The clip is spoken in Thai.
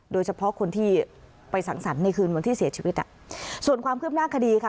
โดยเฉพาะคนที่ไปสังสรรค์ในคืนวันที่เสียชีวิตอ่ะส่วนความคืบหน้าคดีค่ะ